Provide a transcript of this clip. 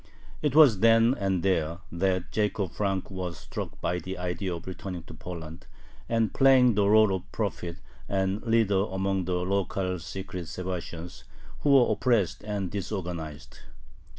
It was then and there that Jacob Frank was struck by the idea of returning to Poland and playing the rôle of prophet and leader among the local secret Sabbatians, who were oppressed and disorganized.